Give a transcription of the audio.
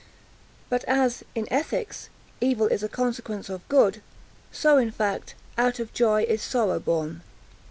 But as, in ethics, evil is a consequence of good, so, in fact, out of joy is sorrow born.